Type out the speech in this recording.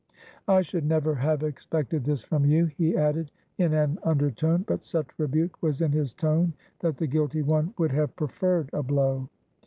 "I should never have expected this from you," he 95 RUSSIA added in an undertone; but such rebuke was in his tone that the guilty one would have preferred a blow.